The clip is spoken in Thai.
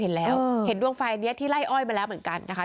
เห็นแล้วเห็นดวงไฟอันนี้ที่ไล่อ้อยมาแล้วเหมือนกันนะคะ